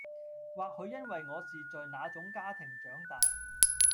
或許因為我是在那種家庭長大